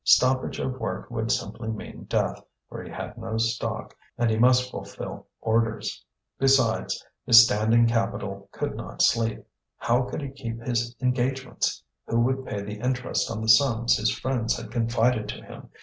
Stoppage of work would simply mean death, for he had no stock, and he must fulfil orders. Besides, his standing capital could not sleep. How could he keep his engagements? Who would pay the interest on the sums his friends had confided to him?